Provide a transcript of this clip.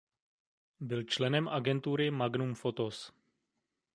Byl členem agentury Magnum Photos.